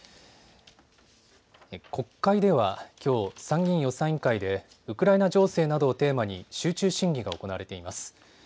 国会では、きょう参議院予算委員会でウクライナ情勢などをテーマに集中審議が行われています。